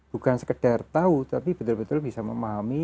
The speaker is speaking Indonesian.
bukan sekedar tahu tapi betul betul bisa memahami